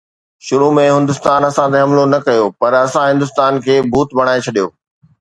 شروع ۾ هندستان اسان تي حملو نه ڪيو پر اسان هندستان کي ڀوت بڻائي ڇڏيو.